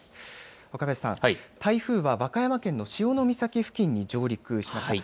若林さん、台風は和歌山県の潮岬付近に上陸しましたね。